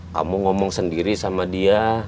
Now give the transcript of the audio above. kamu ngomong sendiri sama dia